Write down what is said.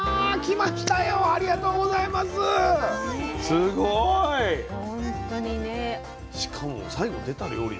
すごい！しかも最後出た料理？